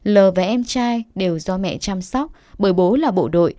l và em trai đều do mẹ chăm sóc bởi bố là bộ đội